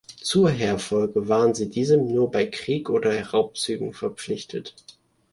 Zur Heerfolge waren sie diesem nur bei Krieg oder Raubzügen verpflichtet.